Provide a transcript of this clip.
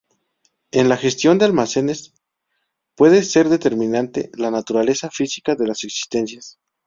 En la gestión de almacenes puede ser determinante la naturaleza física de las existencias.